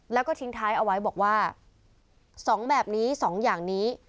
แล้วก็ทิ้งท้ายเอาไว้บอกว่า๒แบบนี้๒อย่างนี้